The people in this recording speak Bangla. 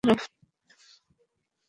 বাঘের চেয়েও খারাপ!